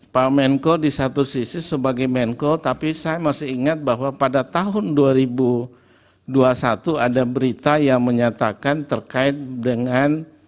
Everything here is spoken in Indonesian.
pak menko di satu sisi sebagai menko tapi saya masih ingat bahwa pada tahun dua ribu dua puluh satu ada berita yang menyatakan terkait dengan